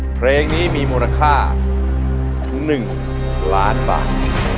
เพลงนี้มีมูลค่าถึง๑ล้านบาท